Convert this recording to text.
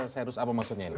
serius apa maksudnya ini